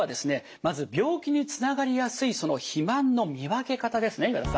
まず病気につながりやすい肥満の見分け方ですね岩田さん。